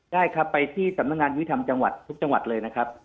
ได้ครับไปที่สำนักงานวิทธรรมจังหวัดทุกจังหวัดเลยนะครับ